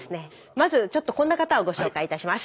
まずちょっとこんな方をご紹介いたします。